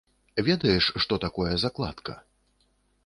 Ведаеш, што такое закладка?